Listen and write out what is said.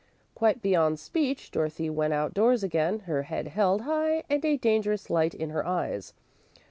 Quite beyond speech, Dorothy went outdoors again, her head held high and a dangerous light in her eyes.